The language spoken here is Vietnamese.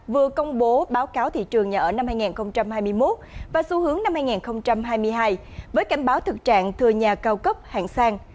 vừa công bố báo cáo thị trường nhà ở năm hai nghìn hai mươi một và xu hướng năm hai nghìn hai mươi hai với cảnh báo thực trạng thừa nhà cao cấp hạng sang